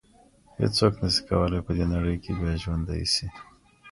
هیڅوک نسي کولای په دې نړۍ کي بیا ژوندی سي.